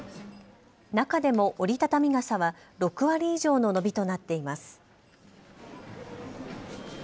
中でも折り畳み傘は６割以上の伸びとなっています。